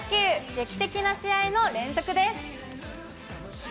劇的な試合の連続です。